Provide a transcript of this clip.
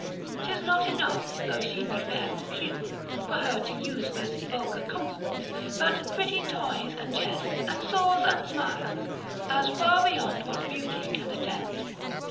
'Tis not enough though she be fair of hue, For her to use this vulgar compliment: But pretty toys and jests, and saws and smiles, As far beyond what beauty can attempt.